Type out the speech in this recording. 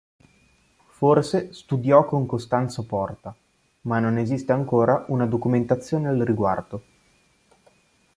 Forse studiò con Costanzo Porta, ma non esiste ancora una documentazione al riguardo.